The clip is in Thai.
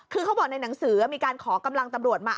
คือเขาบอกในหนังสือมีการขอกำลังตำรวจมา